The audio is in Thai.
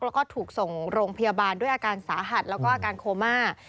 แล้วก็ถูกส่งโรงพยาบาลด้วยอาการสาหัสแล้วก็อาการโคม่า